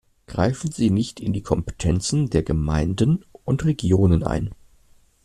Greifen Sie nicht in die Kompetenzen der Gemeinden und Regionen ein.